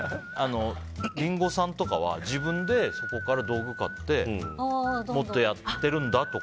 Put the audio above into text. リンゴさんとかは自分でそこから道具を買ってもっとやってるんだとか。